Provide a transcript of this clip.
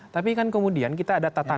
tapi kan kemudian kita ada tatanan